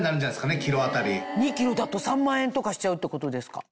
２ｋｇだと３万円とかしちゃうってことですか？